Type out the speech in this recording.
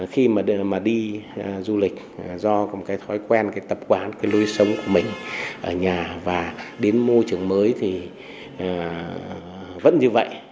khi mà đi du lịch do một cái thói quen cái tập quán cái lối sống của mình ở nhà và đến môi trường mới thì vẫn như vậy